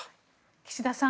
岸田さん